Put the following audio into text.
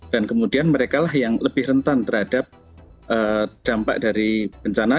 dan kemudian mereka yang lebih rentan terhadap dampak dari bencana